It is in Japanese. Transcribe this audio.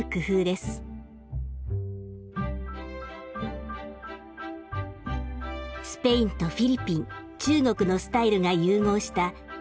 スペインとフィリピン中国のスタイルが融合した独特の建築様式。